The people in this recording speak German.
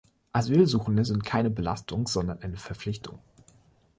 Asylsuchende sind keine Belastung, sondern eine Verpflichtung.